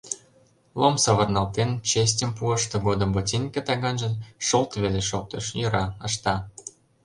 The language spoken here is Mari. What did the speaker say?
Лом савырналтен, честьым пуыш, тыгодым ботинке таганже шолт веле шоктыш: йӧра, ышта.